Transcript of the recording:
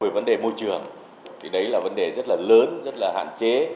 về vấn đề môi trường thì đấy là vấn đề rất là lớn rất là hạn chế